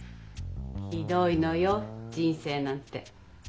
ひどいのよ人生なんて。